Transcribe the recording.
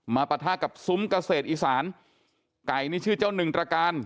ปะทะกับซุ้มเกษตรอีสานไก่นี่ชื่อเจ้าหนึ่งตระการ